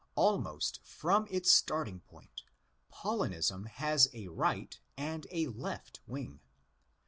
'* Almost from its starting point, Paulinism has a right and a left wing.